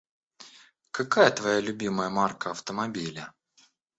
Какая твоя любимая марка автомобиля?